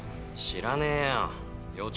知らねぇよ。